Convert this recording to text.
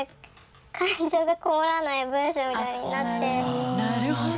あっなるほど。